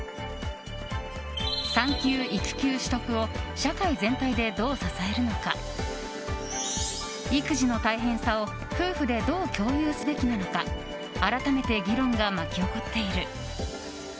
産休・育休取得を社会全体でどう支えるのか育児の大変さを夫婦でどう共有すべきなのか改めて議論が巻き起こっている。